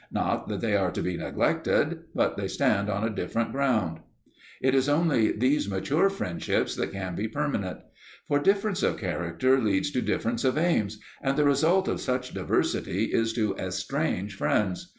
Not that they are to be neglected, but they stand on a different ground. It is only these mature friendships that can be permanent. For difference of character leads to difference of aims, and the result of such diversity is to estrange friends.